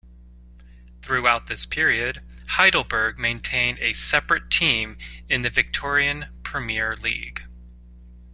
Throughout this period, Heidelberg maintained a separate team in the Victorian Premier League.